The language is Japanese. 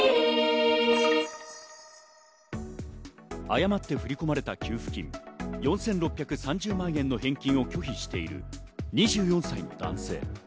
誤って振り込まれた給付金４６３０万円の返金を拒否している２４歳の男性。